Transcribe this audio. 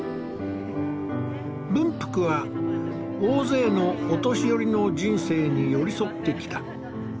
文福は大勢のお年寄りの人生に寄り添ってきた。